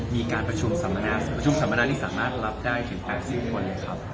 มีการประชุมสำนักประชุมสำนักที่สามารถรับได้ถึง๘๐คนครับ